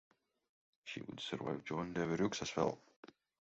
She would survive John Devereux as well.